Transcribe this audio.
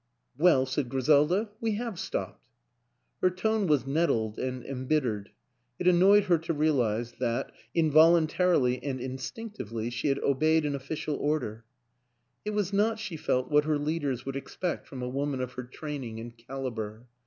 "Well," said Griselda, "we have stopped." Her tone was nettled and embittered. It an noyed her to realize that, involuntarily and in stinctively, she had obeyed an official order; it was not, she felt, what her Leaders would expect from a woman of her training and caliber.